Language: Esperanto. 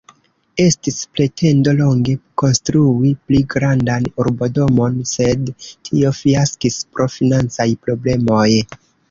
Estis pretendo longe konstrui pli grandan urbodomon, sed tio fiaskis pro financaj problemoj.